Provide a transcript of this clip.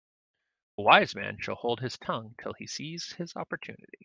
A wise man shall hold his tongue till he sees his opportunity.